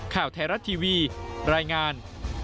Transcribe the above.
ข่าวไทยรัฐทีวีรายงาน